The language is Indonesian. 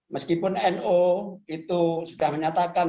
meskipun no itu sudah menyatakan